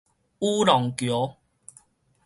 雨農橋